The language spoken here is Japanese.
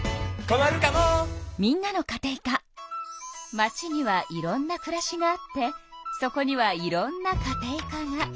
街にはいろんなくらしがあってそこにはいろんなカテイカが。